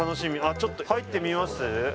ちょっと入ってみます？